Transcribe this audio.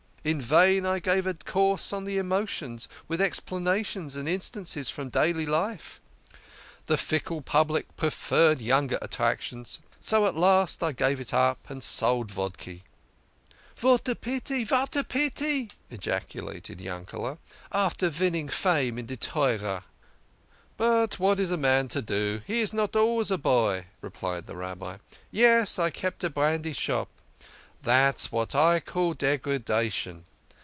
In vain I gave a course on the emotions, with explanations and instances from daily life the fickle public preferred younger attrac tions. So at last I gave it up and sold vodki" " Vat a pity ! Vat a pity !" ejaculated Yankete, " after vinning fame in de Torah !" "But what is a man to do? He is not always a boy," replied the Rabbi. "Yes, I kept a brandy shop. That's 96 THE KING OF SCHNORRERS. what I call Degradation.